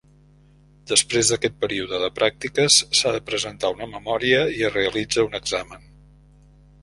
Després d'aquest període de pràctiques s'ha de presentar una memòria i es realitza un examen.